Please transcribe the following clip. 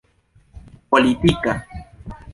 politika